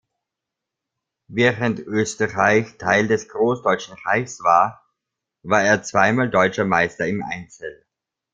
Während Österreich Teil des „Großdeutschen Reiches“ war, war er zweimal deutscher Meister im Einzel.